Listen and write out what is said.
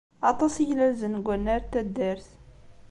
Aṭas i glalzen deg wannar n taddart.